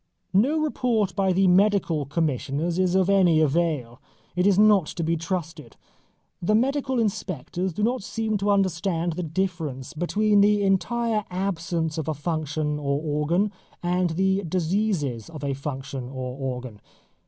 No report by the Medical Commissioners is of any avail. It is not to be trusted. The medical inspectors do not seem to understand the difference between idiocy and lunacy between the entire absence of a function or organ and the diseases of a function or organ.